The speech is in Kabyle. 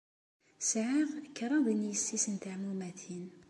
Sɛiɣ kraḍt n yessi-s n teɛmumatin.